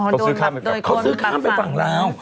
อ๋อโดยคนบางฝั่งเค้าซื้อข้ามไปฝั่งลาว